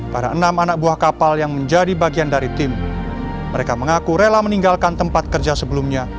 pada enam anak buah kapal yang menjadi bagian dari tim mereka mengaku rela meninggalkan tempat kerja sebelumnya